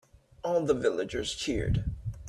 All the villagers cheered.